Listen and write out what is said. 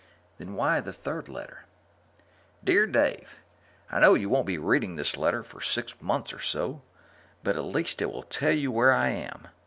Then why the third letter? Dear Dave, I know you won't be reading this letter for six months or so, but at least it will tell you where I am.